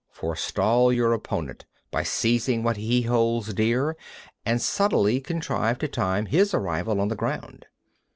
66. Forestall your opponent by seizing what he holds dear, and subtly contrive to time his arrival on the ground.